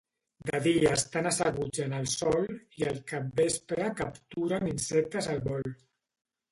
De dia estan asseguts en el sòl i al capvespre capturen insectes al vol.